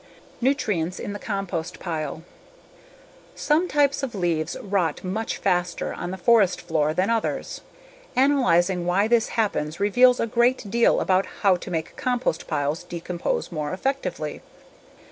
Nutrients in the Compost Pile Some types of leaves rot much faster on the forest floor than others. Analyzing why this happens reveals a great deal about how to make compost piles decompose more effectively.